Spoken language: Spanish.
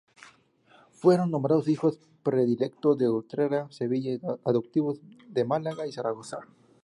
Fueron nombrados hijos predilectos de Utrera y Sevilla y adoptivos de Málaga y Zaragoza.